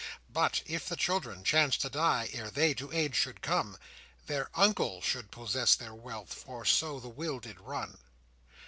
But if the children chanced to die Ere they to age should come, Their uncle should possess their wealth; For so the will did run.